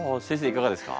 いかがですか？